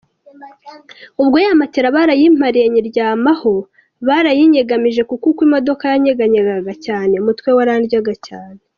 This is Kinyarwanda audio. Ubwo ya matelas barayimpariye nyiryamaho, baranyiyegamije kuko uko imodoka yanyeganyegaga cyane umutwe warandyaga cyane.